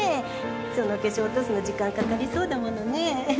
その化粧落とすの時間かかりそうだものね。